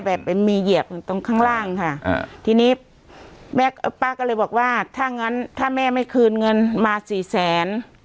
ไปมีเหยียบอยู่ตรงข้างล่างค่ะอ่าทีนี้แม่ป้าก็เลยบอกว่าถ้างั้นถ้าแม่ไม่คืนเงินมาสี่แสน